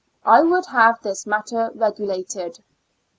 I Tvould have this matter regulated.